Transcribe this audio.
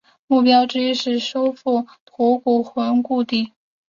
目标之一是收复吐谷浑故地。